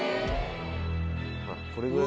ほらこれぐらい。